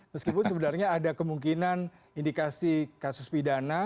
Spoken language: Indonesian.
meskipun sebenarnya ada kemungkinan indikasi kasus pidana